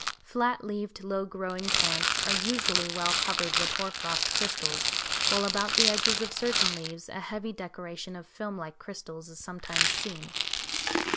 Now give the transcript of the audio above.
Flat leaved, low growing plants are usually well covered with hoar frost crystals, while about the edges of certain leaves a heavy decoration of film like crystals is sometimes seen.